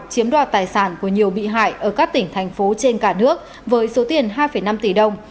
chiếm đoạt tài sản của nhiều bị hại ở các tỉnh thành phố trên cả nước với số tiền hai năm tỷ đồng